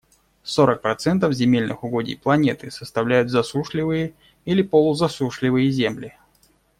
Сорок процентов земельных угодий планеты составляют засушливые или полузасушливые земли.